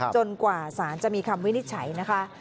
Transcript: กว่าสารจะมีคำวินิจฉัยนะคะ